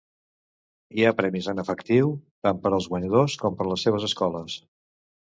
Hi ha premis en efectiu, tant per als guanyadors com per les seves escoles.